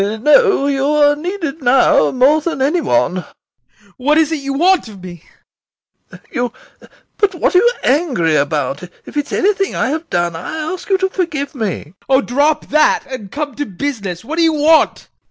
SEREBRAKOFF. No, you are needed now more than any one. VOITSKI. What is it you want of me? SEREBRAKOFF. You but what are you angry about? If it is anything I have done, I ask you to forgive me. VOITSKI. Oh, drop that and come to business; what do you want?